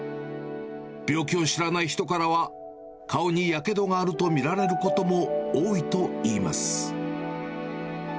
病気を知らない人からは、顔にやけどがあると見られることも多いといいます。